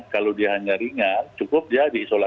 kalau dia hanya ringan cukup dia di isolasi di ruangan